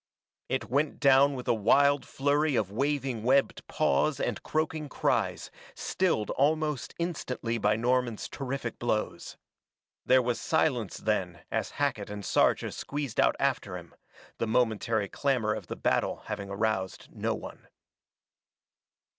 It went down with a wild flurry of waving webbed paws and croaking cries, stilled almost instantly by Norman's terrific blows. There was silence then as Hackett and Sarja squeezed out after him, the momentary clamor of the battle having aroused no one.